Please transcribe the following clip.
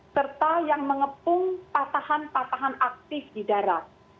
serta yang mengepung patahan patahan aktif di darat